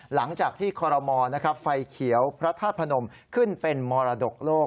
หลังจากที่คอรมอลไฟเขียวพระธาตุพนมขึ้นเป็นมรดกโลก